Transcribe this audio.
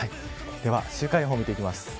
週間予報を見ていきます。